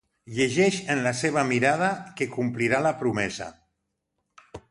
Llegeix en la seva mirada que complirà la promesa.